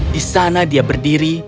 di sana dia berdiri